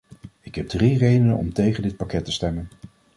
Ik heb drie redenen om tegen dit pakket te stemmen.